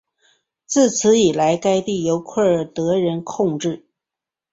自此以来该地由库尔德人控制。